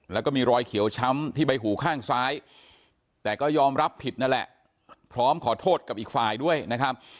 แล้วก็มีรอยเขียวช้ำที่ใบหูข้างซ้ายแต่ก็ยอมรับผิดนั่นแหละพร้อมขอโทษกับอีกฝ่ายด้วยนะครับ